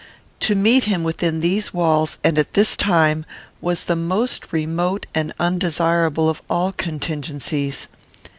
To meet him within these walls, and at this time, was the most remote and undesirable of all contingencies.